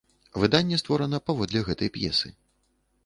Выданне створана паводле гэтай п'есы.